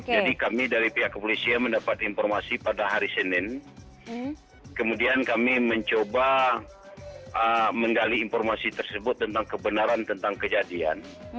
jadi kami dari pihak polisi mendapat informasi pada hari senin kemudian kami mencoba menggali informasi tersebut tentang kebenaran tentang kejadian